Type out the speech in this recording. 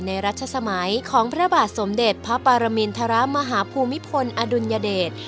รัชสมัยของพระบาทสมเด็จพระปรมินทรมาฮภูมิพลอดุลยเดช